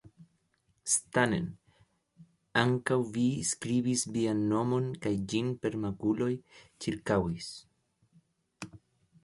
Stanen, ankaŭ vi skribis vian nomon kaj ĝin per makuloj ĉirkaŭis!